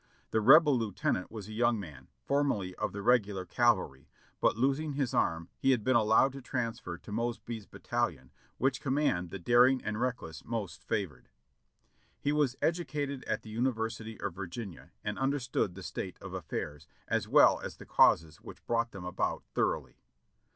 The Rebel lieutenant was a young man, formerly of the Regular Cavalry, but losing his arm he had been allowed to transfer to Mosby's battalion, which command the daring and reckless most favored. He was educated at the University of Virginia and un derstood the state of affairs, as well as the causes which brought them about, thoroughly.